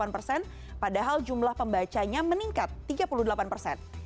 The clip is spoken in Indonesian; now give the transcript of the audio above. delapan persen padahal jumlah pembacanya meningkat tiga puluh delapan persen